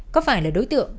có phải là đối tượng